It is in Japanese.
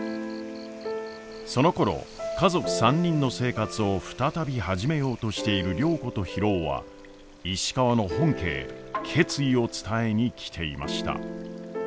そのころ家族３人の生活を再び始めようとしている良子と博夫は石川の本家へ決意を伝えに来ていました。